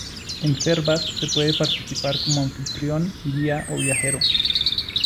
En Servas se puede participar como anfitrión, guía o viajero.